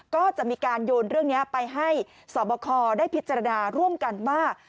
ก็จะมีการโยนเรื่องนี้ไปให้สอบคอได้พิจารณาร่วมกันว่า